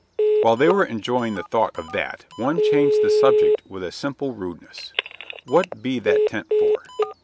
While they were enjoying the thought of that, one changed the subject with a sim ple rudeness. "Who be that tent for?"